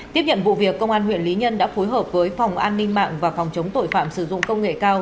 tiếp nhận vụ việc công an huyện lý nhân đã phối hợp với phòng an ninh mạng và phòng chống tội phạm sử dụng công nghệ cao